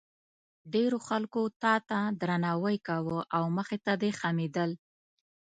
ډېرو خلکو تا ته درناوی کاوه او مخې ته دې خمېدل.